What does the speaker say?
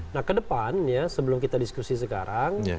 nah kedepannya sebelum kita diskusi sekarang